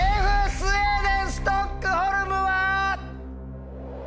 スウェーデンストックホルムは？